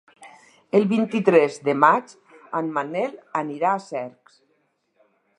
El vint-i-tres de maig en Manel anirà a Cercs.